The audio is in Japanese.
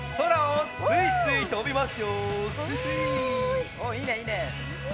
おっいいねいいね！